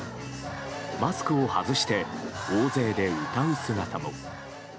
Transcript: マスクを外して大勢で歌う姿も。